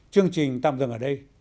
chương trình tạm dừng ở đây